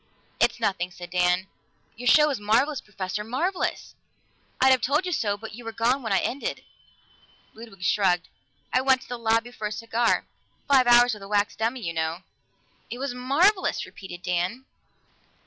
"It's nothing," said Dan. "Your show was marvelous, Professor marvelous! I'd have told you so, but you were gone when it ended." Ludwig shrugged. "I went to the lobby for a cigar. Five hours with a wax dummy, you know!" "It was marvelous!" repeated Dan.